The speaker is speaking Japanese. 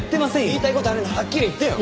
言いたい事があるならはっきり言ってよ！